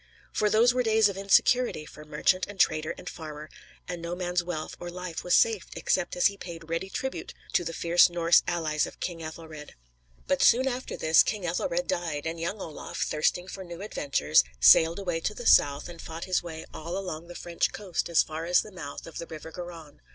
For those were days of insecurity for merchant and trader and farmer, and no man's wealth or life was safe except as he paid ready tribute to the fierce Norse allies of King Ethelred. But soon after this, King Ethelred died, and young Olaf, thirsting for new adventures, sailed away to the south and fought his way all along the French coast as far as the mouth of the River Garonne.